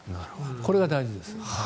これが大事です。